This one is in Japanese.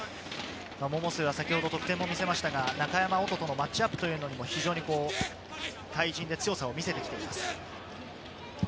百瀬は先ほど得点も見せましたが中山織斗とのマッチアップっていうのも非常に対人で強さを見せています。